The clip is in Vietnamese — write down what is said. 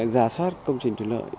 giả soát công trình thủy lợi